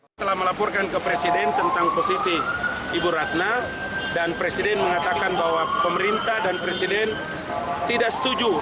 saya telah melaporkan ke presiden tentang posisi ibu ratna dan presiden mengatakan bahwa pemerintah dan presiden tidak setuju